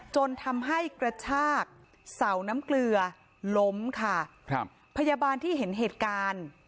จนทำให้กระชากเสาน้ำเกลือล้มค่ะครับพยาบาลที่เห็นเหตุการณ์